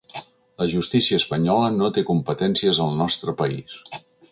La justícia espanyola no té competències al nostre país.